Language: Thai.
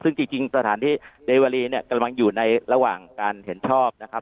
ซึ่งจริงสถานที่เดวารีเนี่ยกำลังอยู่ในระหว่างการเห็นชอบนะครับ